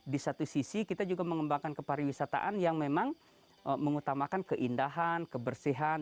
di satu sisi kita juga mengembangkan kepariwisataan yang memang mengutamakan keindahan kebersihan